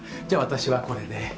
じゃあ私はこれで。